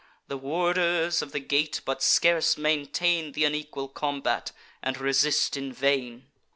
The warders of the gate but scarce maintain Th' unequal combat, and resist in vain.